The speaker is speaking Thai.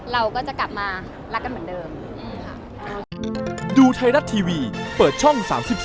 เราก็จะกลับมารักกันเหมือนเดิมค่ะ